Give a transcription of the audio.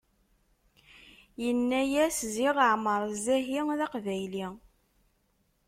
Yenna-yas ziɣ Ɛmer Zzahi d aqbayli!